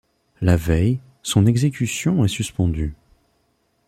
La veille, son exécution est suspendue.